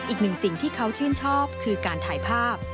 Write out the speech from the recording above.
อีกหนึ่งสิ่งที่เขาชื่นชอบคือการถ่ายภาพ